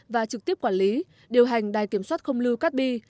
và trực tiếp quản lý điều hành đài kiểm soát không lưu cát bi